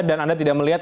dan anda tidak melihat